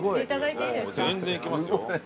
全然いきますよ。